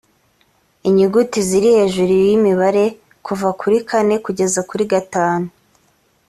inyuguti ziri hejuru y imibare kuva kuri kane kugeza kuri gatanu